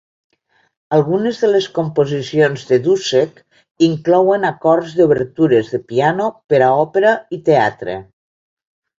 Algunes de les composicions de Dussek inclouen acords de obertures de piano per a òpera i teatre.